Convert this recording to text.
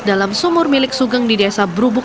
dalam sumur milik sugeng di desa brubuk